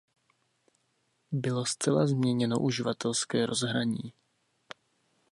Bylo zcela změněno uživatelské rozhraní.